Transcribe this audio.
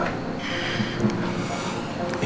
saat kau kebetulan